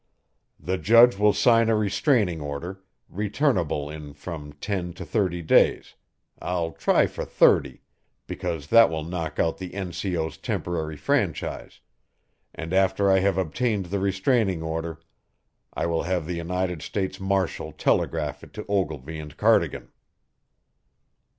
The judge will sign a restraining order, returnable in from ten to thirty days I'll try for thirty, because that will knock out the N.C.O.'s temporary franchise and after I have obtained the restraining order, I will have the United States marshal telegraph it to Ogilvy and Cardigan!"